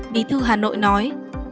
bí thư hà nội nói